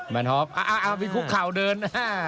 มีคุกข่าวเดิน